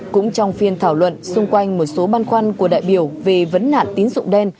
cũng trong phiên thảo luận xung quanh một số băn khoăn của đại biểu về vấn nạn tín dụng đen